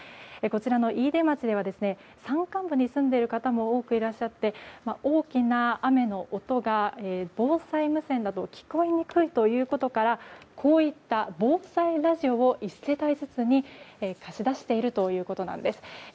こちらの飯豊町では山間部に住んでいる方も多くいらっしゃって大きな雨の音が防災無線だと聞こえにくいということからこういった防災ラジオを１世帯ずつに貸し出しているということです。